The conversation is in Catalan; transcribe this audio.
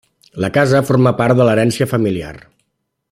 La casa forma part de l'herència familiar.